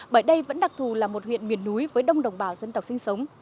bởi đây vẫn đặc thù là một huyện miền núi với đông đồng bào dân tộc sinh sống